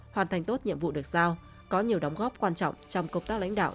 hoàn thành tốt nhiệm vụ được giao có nhiều đóng góp quan trọng trong công tác lãnh đạo